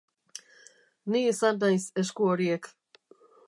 Ni izan naiz esku horiek.